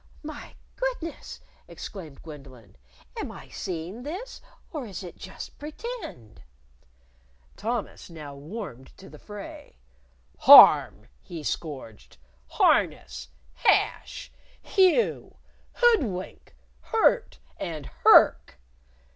"My goodness!" exclaimed Gwendolyn. "Am I seeing this, or is it just Pretend?" Thomas now warmed to the fray. "Harm!" he scourged, "Harness! Hash! Hew! Hoodwink! Hurt and hurk!"